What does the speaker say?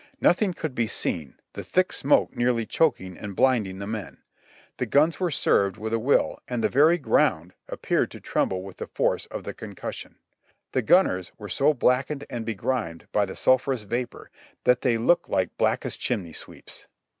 Nothing could be seen, the thick smoke nearly choking and blinding the men. The guns were served HOT TIMES AROUND RICHMOND 1/3 with a will and the very gToimd appeared to tremble with the force of the concussion. The gunners were so blackened and begrimed by the sulphurous vapor, that they looked Hke blackest chimney sweeps.